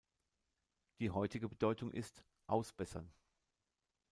Die heutige Bedeutung ist" ausbessern".